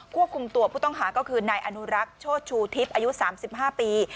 ควบคุมตัวผู้ต้องหาก็คือนายอนุรักษ์โชชูทิพย์อายุ๓๕ปี